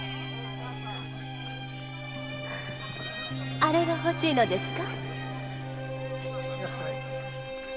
あれがほしいのですか？